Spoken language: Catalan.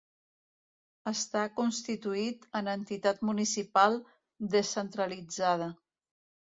Està constituït en entitat municipal descentralitzada.